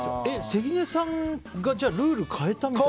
関根さんがルールを変えたみたいな？